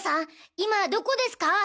今どこですか？